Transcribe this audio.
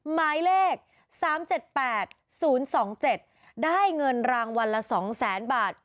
หมายเลข๓๗๘๐๒๗ได้เงินรางวัลละ๒๐๐๐๐บาท